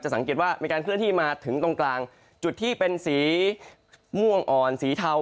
สังเกตว่ามีการเคลื่อนที่มาถึงตรงกลางจุดที่เป็นสีม่วงอ่อนสีเทา